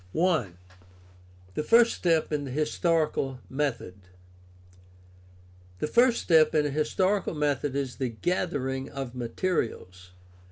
I. THE FIRST STEP IN THE HISTORICAL METHOD The first step in a historical method is the gathering of materials.